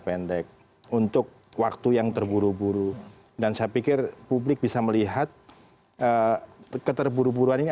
pendek untuk waktu yang terburu buru dan saya pikir publik bisa melihat keterburu buruan ini